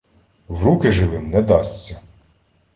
В руки живим не дасться.